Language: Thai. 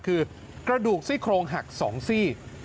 คือกระดูกซี่โครงหัก๒ซี่